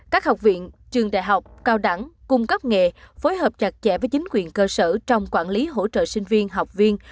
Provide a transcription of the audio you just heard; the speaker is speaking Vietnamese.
các học viện trường đại học cao đẳng cung cấp nghề phối hợp chặt chẽ với chính quyền cơ sở trong quản lý hỗ trợ sinh viên học viên